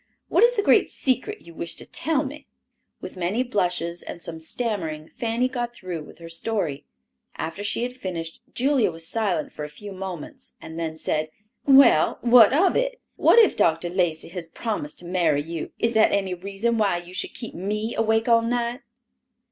What is the great secret you wish to tell me?" With many blushes and some stammering Fanny got through with her story. After she had finished Julia was silent a few moments and then said, "Well, what of it? What if Dr. Lacey has promised to marry you? Is that any reason why you should keep me awake all night?"